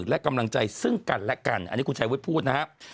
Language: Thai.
และกำลังใจซึ่งกันและกันอันนี้คุณชายวุฒิพูดนะครับ